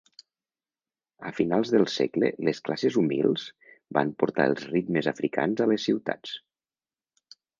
A finals del segle les classes humils van portar els ritmes africans a les ciutats.